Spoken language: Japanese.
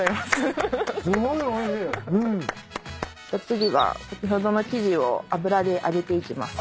次は先ほどの生地を油で揚げていきます。